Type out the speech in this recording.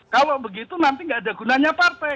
kalau begitu nanti gak ada gunanya partai